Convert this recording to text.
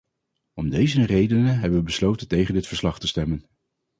Om deze redenen hebben we besloten tegen dit verslag te stemmen.